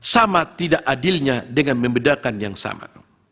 sama tidak adilnya dengan membedakan yang sama